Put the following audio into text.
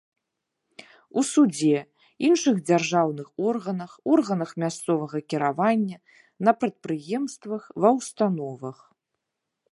У судзе, іншых дзяржаўных органах, органах мясцовага кіравання, на прадпрыемствах, ва ўстановах.